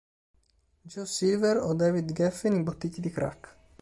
Joel Silver o David Geffen imbottiti di crack.